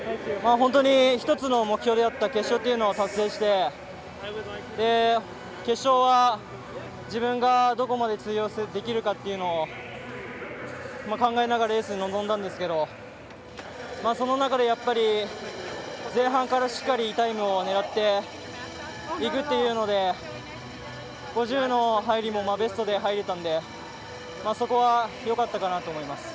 本当に１つの目標であった決勝というのを達成して決勝は、自分がどこまで通用できるかっていうのを考えながらレースに臨んだんですけどその中で、前半からしっかりタイムを狙っていくっていうので５０の入りもベストで入れたのでそこは、よかったかなと思います。